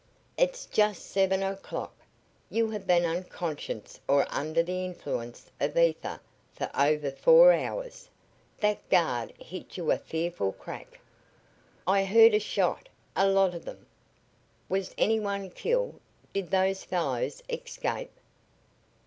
"It's just seven o'clock. You have been unconscious or under the influence of ether for over four hours. That guard hit you a fearful crack." "I heard a shot a lot of them. Was any one killed? Did those fellows escape?"